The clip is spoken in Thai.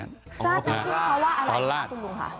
ราดน้ำผึ้งเพราะว่าอะไรครับคุณลูกค่ะ